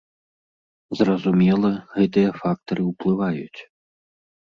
Зразумела, гэтыя фактары ўплываюць.